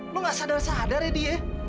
lo gak sadar sadar ya di ya